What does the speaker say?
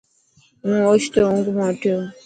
هون اوڇتو اونگ منا اٺيو.